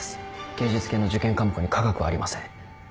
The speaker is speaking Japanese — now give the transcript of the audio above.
芸術系の受験科目に化学はありません。